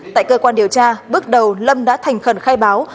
tại cơ quan điều tra bước đầu lâm đã thành khẩn khai báo